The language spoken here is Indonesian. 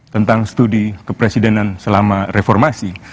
tentang studi kepresidenan selama reformasi